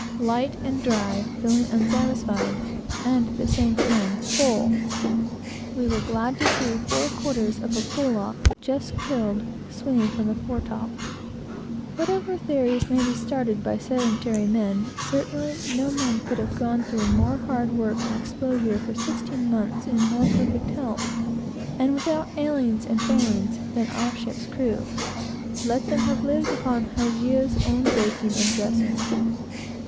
Light and dry, feeling unsatisfied, and, at the same time, full, we were glad to see four quarters of a bullock, just killed, swinging from the fore top. Whatever theories may be started by sedentary men, certainly no men could have gone through more hard work and exposure for sixteen months in more perfect health, and without ailings and failings, than our ship's crew, let them have lived upon Hygeia's own baking and dressing.